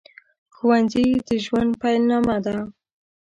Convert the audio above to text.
ښوونځي د ژوند پیل نامه ده